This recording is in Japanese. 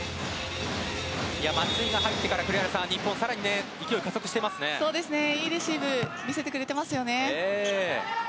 松井が入ってから栗原さん日本は更にいいレシーブ見せてくれていますね。